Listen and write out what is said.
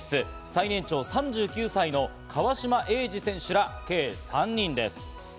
最年長３９歳の川島永嗣選手ら計３人です。